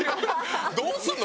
どうすんの？